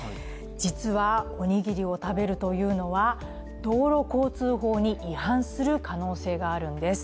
実はおにぎりを食べるというのは道路交通法に違反する可能性があるんです。